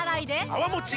泡もち